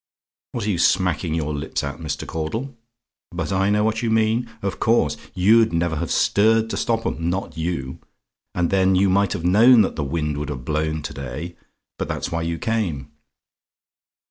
What are you smacking your lips at, Mr. Caudle? But I know what you mean of course, you'd never have stirred to stop 'em; not you. And then you might have known that the wind would have blown to day; but that's why you came.